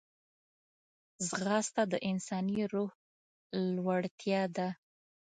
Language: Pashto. ځغاسته د انساني روح لوړتیا ده